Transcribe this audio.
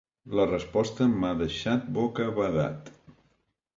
La resposta m’ha deixat bocabadat.